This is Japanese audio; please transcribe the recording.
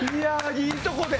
いいところで。